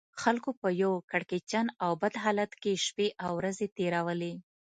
خلکو په یو کړکېچن او بد حالت کې شپې او ورځې تېرولې.